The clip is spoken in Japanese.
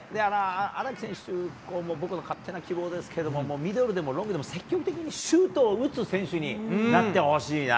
荒木選手は僕の勝手な希望ですがミドルでもロングでも積極的にシュートを打つ選手になってほしいな。